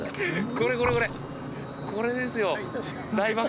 これこれこれこれですよあ！